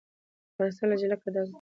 افغانستان له جلګه ډک دی.